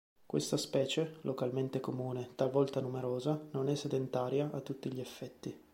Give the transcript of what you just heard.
Questa specie, localmente comune, talvolta numerosa, non è sedentaria a tutti gli effetti.